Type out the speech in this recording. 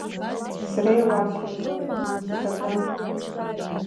Сара иуасҳәеит, умыццакын.